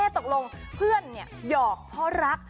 ตกลงเพื่อนหยอกเพราะรัก